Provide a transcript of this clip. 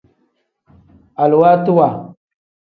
Aluwaatiwa.